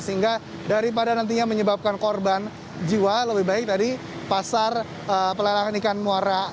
sehingga daripada nantinya menyebabkan korban jiwa lebih baik dari pasar pelelangan ikan muara